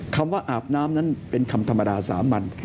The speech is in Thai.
คำว่าอาบน้ำนั้นเป็นคำธรรมดาสามัญ